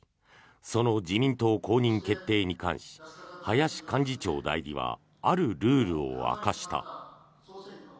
その自民党公認決定に関し林幹事長代理はあるルールを明かした。